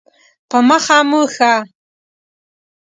په مخه مو ښه